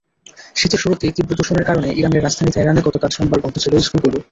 শীতের শুরুতেই তীব্র দূষণের কারণে ইরানের রাজধানী তেহরানে গতকাল সোমবার বন্ধ ছিল স্কুলগুলো।